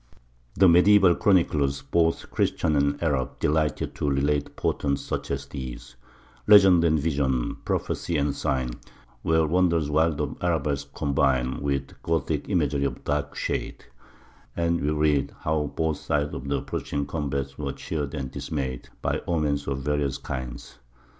The mediæval chroniclers, both Christian and Arab, delighted to relate portents such as these: Legend and vision, prophecy and sign, Where wonders wild of Arabesque combine With Gothic imagery of darker shade; and we read how both sides of the approaching combat were cheered or dismayed by omens of various kinds.